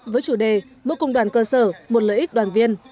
với chủ đề mỗi công đoàn cơ sở một lợi ích đoàn viên